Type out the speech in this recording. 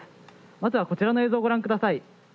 まずはこちらの映像をご覧下さい。